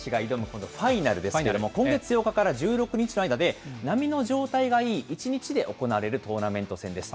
このファイナルですけれども、今月８日から１６日の間で、波の状態がいい１日で行われるトーナメント戦です。